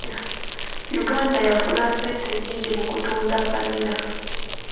Uganda yafuna ssente nnyingi mu kutunda vanilla.